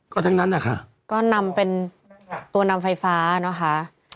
ก็ทั้งนั้นนะคะก็นำเป็นตัวนำไฟฟ้านะคะ